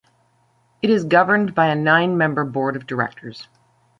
It is governed by a nine-member board of directors.